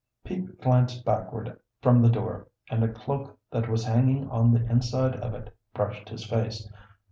Pete glanced backward from the door, and a cloak that was hanging on the inside of it brushed his face.